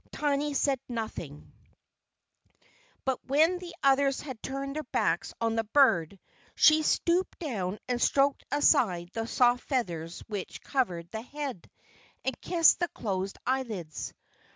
Tiny said nothing; but when the others had turned their backs on the bird, she stooped down and stroked aside the soft feathers which covered the head, and kissed the closed eyelids.